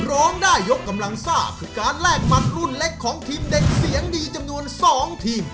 ร้องได้ยกกำลังซ่าคือการแลกหมัดรุ่นเล็กของทีมเด็กเสียงดีจำนวน๒ทีม